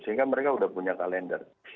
sehingga mereka sudah punya kalender